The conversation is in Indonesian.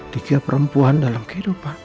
tiga perempuan dalam kehidupan